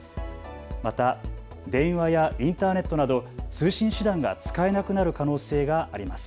また電話やインターネットなど通信手段が使えなくなる可能性があります。